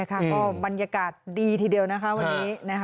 ก็บรรยากาศดีทีเดียวนะคะวันนี้